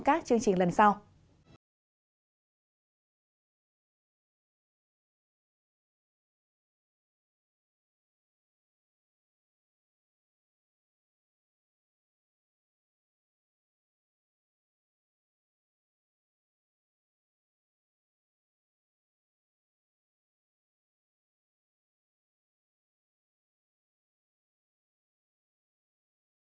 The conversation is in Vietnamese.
chương trình gala giai điệu mùa xuân